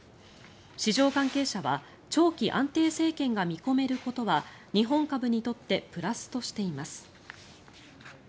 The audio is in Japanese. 市場関係者は長期安定政権が見込めることは日本株にとってプラスとしています。